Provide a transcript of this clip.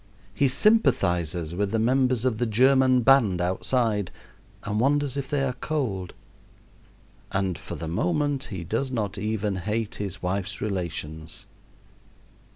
He sympathizes with the members of the German band outside and wonders if they are cold; and for the moment he does not even hate his wife's relations.